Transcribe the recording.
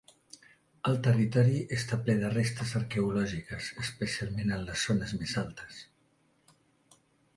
El territori està ple de restes arqueològiques, especialment en les zones més altes.